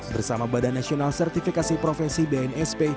bersama badan nasional sertifikasi profesi bnsp